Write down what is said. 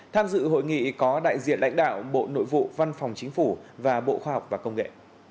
tham dự hội nghị có đại diện lãnh đạo bộ nội vụ văn phòng chính phủ và bộ khoa học và công nghệ